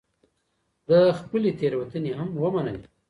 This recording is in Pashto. ده خپلې تېروتني هم ومنلې